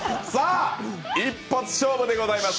一発勝負でございます。